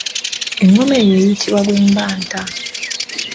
Engoma eyo eyitibwa bwembatta.